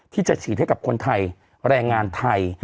ที่จะฉีดให้กับคนไทยแรงงานไทย